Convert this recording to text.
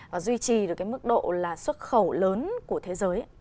và duy trì được cái mức độ là xuất khẩu lớn của thế giới